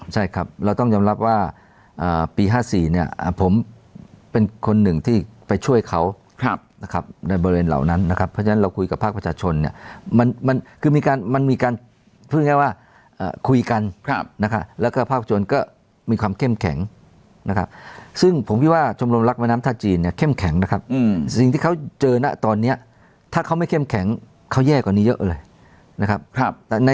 ใช่ครับเราต้องยำรับว่าอ่าปีห้าสี่เนี่ยผมเป็นคนหนึ่งที่ไปช่วยเขาครับนะครับในบริเวณเหล่านั้นนะครับเพราะฉะนั้นเราคุยกับภาคประชาชนเนี่ยมันมันคือมีการมันมีการพูดง่ายง่ายว่าอ่าคุยกันครับนะคะแล้วก็ภาคประชวนก็มีความเข้มแข็งนะครับซึ่งผมคิดว่าชมรมรักมะน้ำทาจีนเนี่ยเข้มแข็งนะครั